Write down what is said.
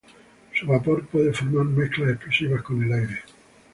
Su vapor puede formar mezclas explosivas con el aire.